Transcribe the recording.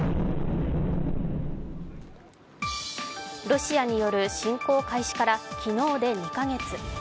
ロシアによる侵攻開始から昨日で２カ月。